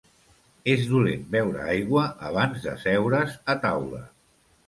És dolent beure aigua abans d'asseure's a taula.